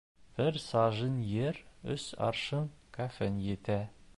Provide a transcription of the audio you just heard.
Бер сажин ер, өс аршин кәфен етә.